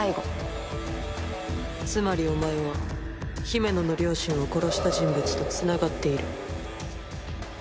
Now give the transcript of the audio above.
つまりお前はヒメノの両親を殺した人物と繋がっている。